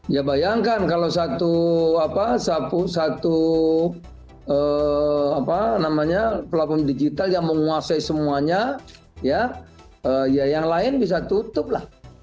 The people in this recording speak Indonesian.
ya bayangkan kalau satu platform digital yang menguasai semuanya ya yang lain bisa tutup lah